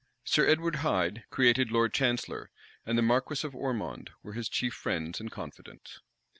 Sir Edward Hyde, created lord chancellor, and the marquis of Ormond, were his chief friends and confidants.